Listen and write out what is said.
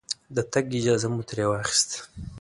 د تګ اجازه مو ترې واخسته.